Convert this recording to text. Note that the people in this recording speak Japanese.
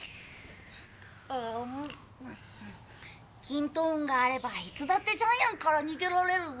きんと雲があればいつだってジャイアンから逃げられるぞ。